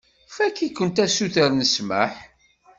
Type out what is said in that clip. Fakk-iken asuter n ssmaḥ.